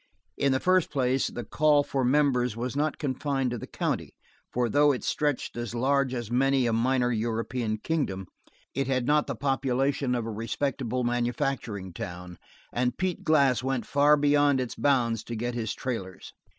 In the first place the call for members was not confined to the county, for though it stretched as large as many a minor European kingdom, it had not the population of a respectable manufacturing town, and Pete Glass went far beyond its bounds to get his trailers.